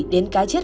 đến cái chết